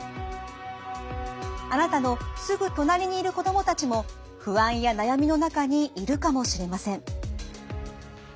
あなたのすぐ隣にいる子どもたちも不安や悩みの中にいるかもしれません。